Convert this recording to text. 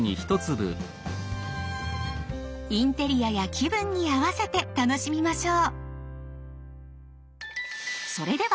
インテリアや気分に合わせて楽しみましょう。